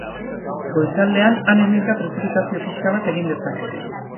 Goizaldean han-hemenka prezipitazio pixka bat egin dezake.